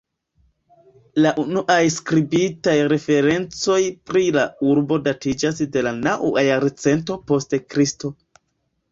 La unuaj skribitaj referencoj pri la urbo datiĝas de la naŭa jarcento post Kristo.